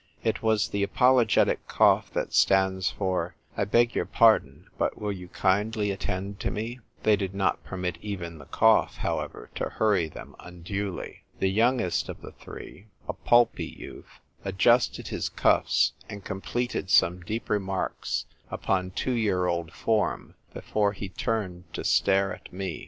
It was the apologetic cough that stands for " I beg your pardon, but will you kindly attend to me ?" They did not permit even the cough, how ever, to hurry them unduly. The youngest of the three, a pulpy youth, adjusted his cuffs, and completed some deep remarks upon two year old form before he turned to stare at me.